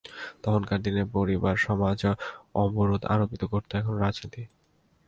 তখনকার দিনে পরিবার সমাজ অবরোধ আরোপ করত, এখন রাজনীতি।